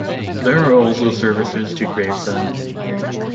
There are also services to Gravesend.